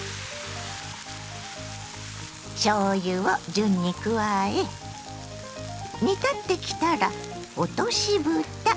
順に加え煮立ってきたら落としぶた。